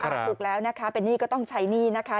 ถูกแล้วนะคะเป็นหนี้ก็ต้องใช้หนี้นะคะ